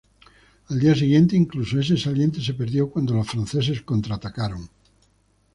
Al día siguiente, incluso ese saliente se perdió cuando los franceses contraatacaron.